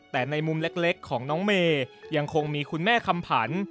แต่ในมุมเล็กของน้องเมย์ยังคงมีคุณแม่คำผัน